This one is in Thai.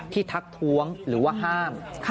ทักท้วงหรือว่าห้าม